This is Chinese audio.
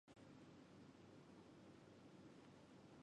其为人乐善好施。